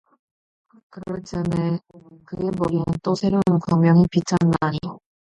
그럴 즈음에 그의 머리엔 또 새로운 광명이 비쳤나니